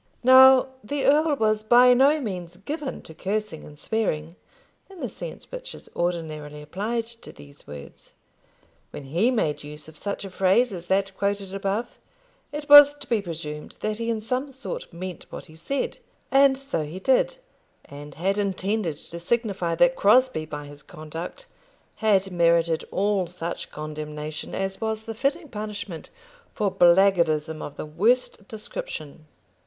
Now the earl was by no means given to cursing and swearing, in the sense which is ordinarily applied to these words. When he made use of such a phrase as that quoted above, it was to be presumed that he in some sort meant what he said; and so he did, and had intended to signify that Crosbie by his conduct had merited all such condemnation as was the fitting punishment for blackguardism of the worst description.